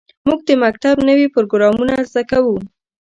موږ د مکتب نوې پروګرامونه زده کوو.